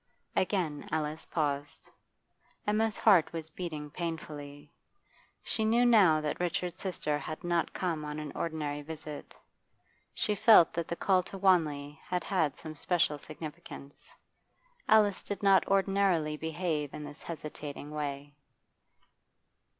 Again Alice paused. Emma's heart was beating painfully. She knew now that Richard's sister had not come on an ordinary visit; she felt that the call to Wanley had had some special significance. Alice did not ordinarily behave in this hesitating way.